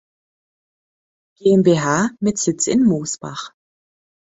GmbH" mit Sitz in Mosbach.